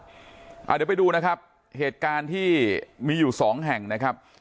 เดี๋ยวไปดูนะครับเหตุการณ์ที่มีอยู่สองแห่งนะครับ